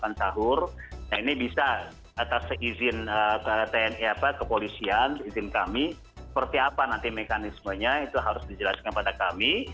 nah ini bisa atas izin kepolisian izin kami seperti apa nanti mekanismenya itu harus dijelaskan pada kami